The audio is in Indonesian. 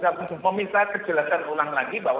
saya juga meminta kejelaskan ulang lagi bahwa